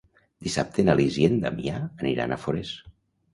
Dissabte na Lis i en Damià aniran a Forès.